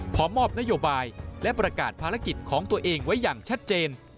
พร้อมมอบนโยบายและประกาศภารกิจของตัวเองไว้อย่างชัดเจน